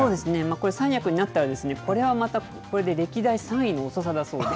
これ、三役になったら、これはまたこれで、歴代３位の遅さだそうで。